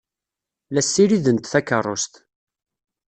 La ssirident takeṛṛust.